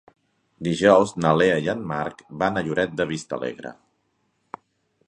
Dijous na Lea i en Marc van a Lloret de Vistalegre.